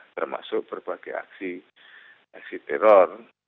termasuk berbagai aksi teror